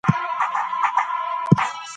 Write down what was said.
د هغوی خبري د څېړنيلپاره رڼا ده.